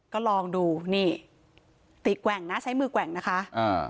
ก็ลองดูนี่ตีแกว่งนะใช้มือแกว่งนะคะอ่า